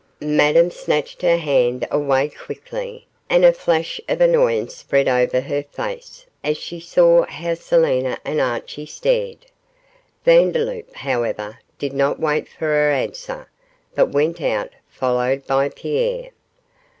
Madame snatched her hand away quickly, and a flush of annoyance spread over her face as she saw how Selina and Archie stared. Vandeloup, however, did not wait for her answer, but went out, followed by Pierre.